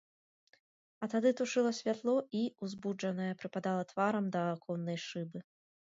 А тады тушыла святло і, узбуджаная, прыпадала тварам да аконнай шыбы.